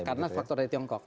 karena faktor dari tiongkok